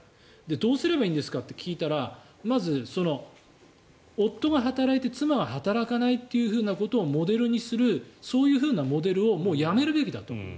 どうすればいいか聞いたらまず、夫は働いて妻は働かないということをモデルにする、そういうモデルをもうやめるべきだと。